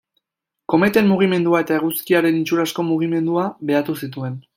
Kometen mugimendua eta Eguzkiaren itxurazko mugimendua behatu zituen.